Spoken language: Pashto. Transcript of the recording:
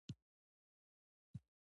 تاسې ټول سوسیالیستان یاست؟ هو.